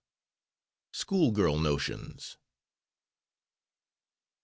SCHOOL GIRL NOTIONS.